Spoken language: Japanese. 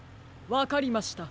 わかりました。